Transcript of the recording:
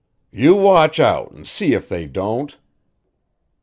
"You watch out an' see if they don't."